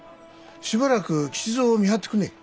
しばらく吉蔵を見張ってくんねえ。